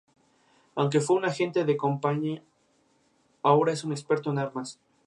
Todos los fragmentos pertenecen y se encuentran en la Biblioteca Real de Dinamarca.